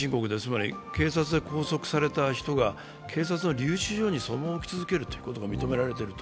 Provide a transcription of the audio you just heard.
警察で拘束された人が警察の留置所にそのまま置き続けることが認められていると。